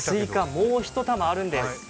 もう１玉あるんです。